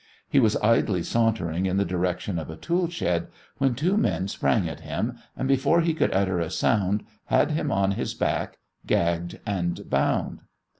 He was idly sauntering in the direction of a tool shed, when two men sprang at him, and before he could utter a sound had him on his back, gagged and bound.